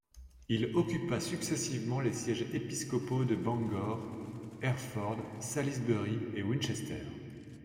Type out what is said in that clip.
Il occupa successivement les sièges épiscopaux de Bangor, Hereford, Salisbury et Winchester.